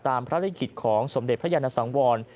ตามพระลิขิตของสมเด็จพระยานสังวร